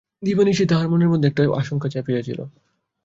দিবানিশি তাহার মনের মধ্যে একটা আশঙ্কা চাপিয়া ছিল।